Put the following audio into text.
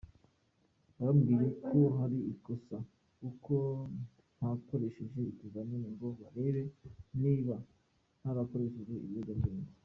Bambwiye ko hari ikosa kuko ntakoresheje ibizamini ngo barebe niba ntarakoresheje ibiyobyabwenge.